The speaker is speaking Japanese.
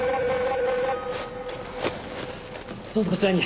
どうぞこちらに。